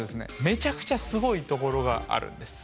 めちゃくちゃすごいところがあるんです。